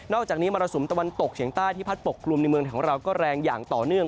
อกจากนี้มรสุมตะวันตกเฉียงใต้ที่พัดปกกลุ่มในเมืองของเราก็แรงอย่างต่อเนื่อง